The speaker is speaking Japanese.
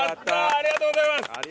ありがとうございます。